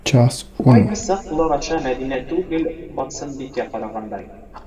Ҡайһы саҡ улар аша Мәҙинә түгел, Барсынбикә ҡарағандай.